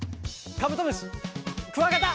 カブトムシクワガタ！